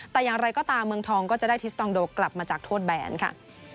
แต่อย่างไรก็ตามเมืองทองก็จะได้ทิสตองโดกลับมาจากโทษแบนค่ะ